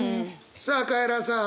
さあカエラさん。